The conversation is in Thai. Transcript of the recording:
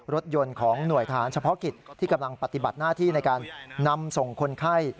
รถยนต์ของหน่วยฐานเฉพาะกิจที่กำลังปฏิบัติหน้าที่ในการนำส่งคนไข้